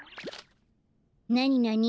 なになに？